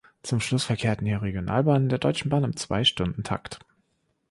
Zum Schluss verkehrten hier Regionalbahnen der Deutschen Bahn im Zwei-Stunden-Takt.